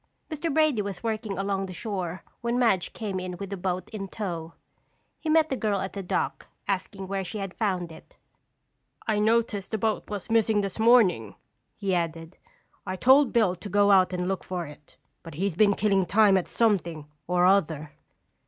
Mr. Brady was working along the shore when Madge came in with the boat in tow. He met the girl at the dock, asking where she had found it. "I noticed the boat was missing this morning," he added. "I told Bill to go out and look for it, but he's been killing time at something or other."